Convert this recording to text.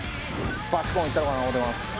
バチコンいったろうかな思ってます